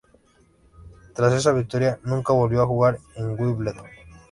Tras esta victoria nunca volvió a jugar en Wimbledon.